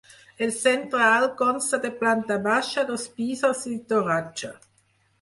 El central consta de planta baixa, dos pisos i torratxa.